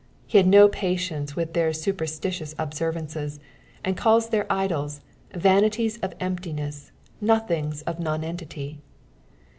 He had no patience with their superBtitious observances, sad calis their idols vanities of emptiness, nothings of nonentity.